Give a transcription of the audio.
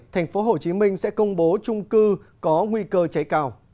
tp hcm sẽ công bố trung cư có nguy cơ cháy cao